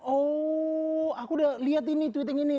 oh aku udah lihat ini tweet ini